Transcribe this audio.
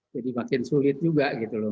jadi makin sulit juga gitu loh